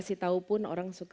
kasih tahu pun orang suka